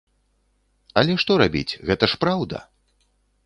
Але што рабіць, гэта ж праўда!